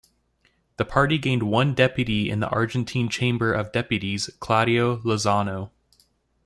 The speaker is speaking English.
The Party gained one deputy in the Argentine Chamber of Deputies, Claudio Lozano.